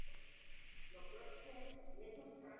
Jako hráč projevoval velký zájem o změny zvuku své hry.